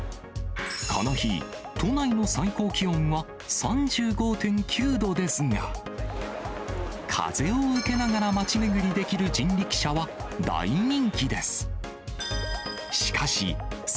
この日、都内の最高気温は３５．９度ですが、風を受けながら町巡りできる人力車は、大人気です。